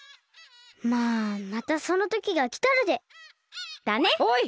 まあまたそのときがきたらで。だね。おい！